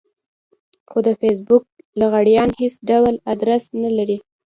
خو د فېسبوک لغړيان هېڅ ډول ادرس نه لري.